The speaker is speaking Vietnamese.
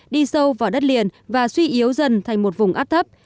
đi sâu vào đất liền và suy yếu dần thành một vùng áp thấp